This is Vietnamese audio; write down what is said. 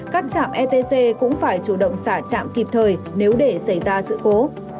các chạm etc cũng phải chủ động xả chạm kịp thời nếu để xảy ra sự cố